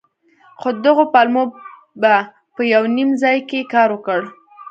خو دغو پلمو به په يو نيم ځاى کښې کار وکړ.